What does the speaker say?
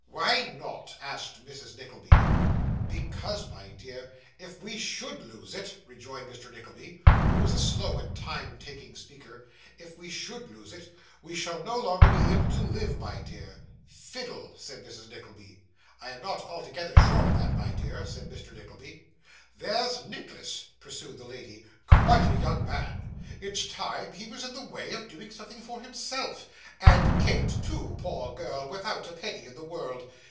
'Why not?' asked Mrs. Nickleby. 'Because, my dear, if we SHOULD lose it,' rejoined Mr. Nickleby, who was a slow and time taking speaker, 'if we SHOULD lose it, we shall no longer be able to live, my dear.' 'Fiddle,' said Mrs. Nickleby. 'I am not altogether sure of that, my dear,' said Mr. Nickleby. 'There's Nicholas,' pursued the lady, 'quite a young man it's time he was in the way of doing something for himself; and Kate too, poor girl, without a penny in the world.